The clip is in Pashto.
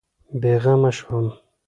بېغمه شوم.